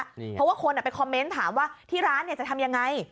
เพราะว่าคนไปคอมเมนต์ถามว่าที่ร้านเนี่ยจะทำยังไง